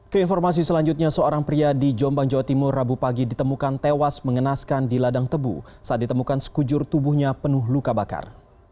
keinformasi selanjutnya seorang pria di jombang jawa timur rabu pagi ditemukan tewas mengenaskan di ladang tebu saat ditemukan sekujur tubuhnya penuh luka bakar